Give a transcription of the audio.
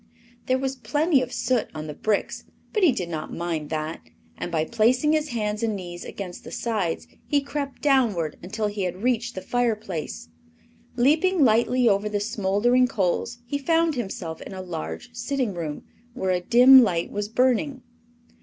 There was plenty of soot on the bricks, but he did not mind that, and by placing his hands and knees against the sides he crept downward until he had reached the fireplace. Leaping lightly over the smoldering coals he found himself in a large sitting room, where a dim light was burning.